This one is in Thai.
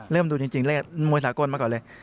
เริ่มดูจริงมวยสากลมาก่อนเลย